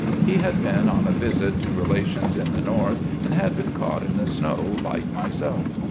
He had been on a visit to relations in the North, and had been caught in the snow like myself.